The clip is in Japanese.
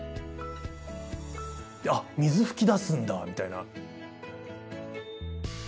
あっ水噴き出すんだみたいな。